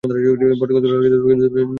বরকতউল্লাহ সাহেব দীর্ঘ সময় চুপ করে রইলেন।